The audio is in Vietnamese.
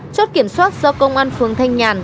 chốt kiểm soát do công an phường thanh nhàn